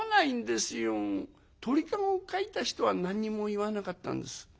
鳥籠を描いた人は何にも言わなかったんです。